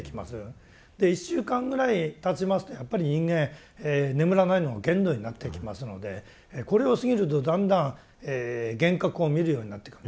で１週間ぐらいたちますとやっぱり人間眠らないのが限度になっていきますのでこれを過ぎるとだんだん幻覚を見るようになってくるんですね。